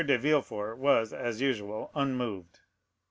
de Villefort was, as usual, unmoved.